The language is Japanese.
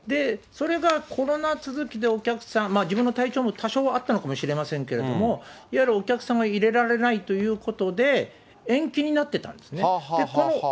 それがコロナ続きでお客さん、自分の体調も多少はあったのかもしれませんけれども、いわゆるお客さんが入れられないということで、延期になってたんですね。